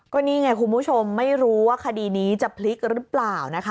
ก็นี่ไงคุณผู้ชมไม่รู้ว่าคดีนี้จะพลิกหรือเปล่านะคะ